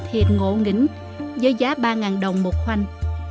thịt ngộ nghỉ với giá ba đồng một khoanh